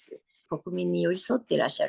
国民に寄り添ってらっしゃる。